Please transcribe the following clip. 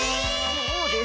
そうです